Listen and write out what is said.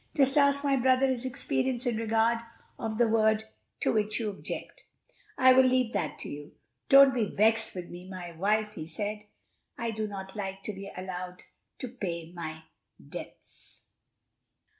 Just ask my brother his experience in regard of the word to which you object." "I will leave that to you." "Don't be vexed with me, my wife," he said. "I don't like not to be allowed to pay my debts."